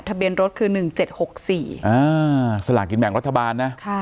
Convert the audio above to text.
ตะเบียนรถคือ๑๗๖๔คนค่ะจากสลากกินแบ่งรัฐบาล